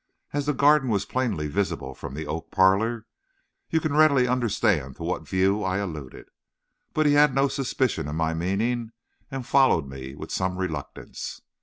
As the garden was plainly visible from the oak parlor, you can readily understand to what view I alluded. But he had no suspicion of my meaning, and followed me with some reluctance.